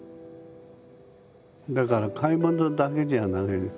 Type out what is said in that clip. だから買い物だけじゃないの。